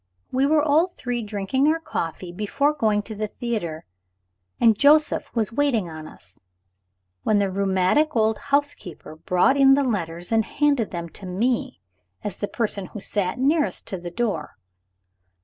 We were all three drinking our coffee before going to the theater, and Joseph was waiting on us, when the rheumatic old housekeeper brought in the letters, and handed them to me, as the person who sat nearest to the door.